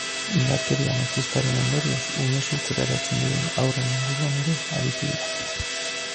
Indarkeria matxistaren ondorioz umezurtz geratzen diren haurren inguruan ere aritu dira.